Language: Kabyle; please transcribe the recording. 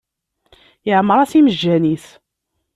Iɛemmeṛ-as imejjan-is.